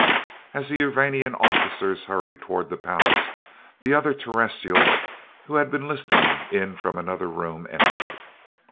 As the Urvanian officers hurried toward the palace, the other Terrestrials, who had been listening in from another room, entered.